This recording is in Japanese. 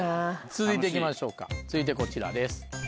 続いていきましょうか続いてこちらです。